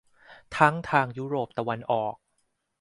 ทั้งทางยุโรปตะวันออก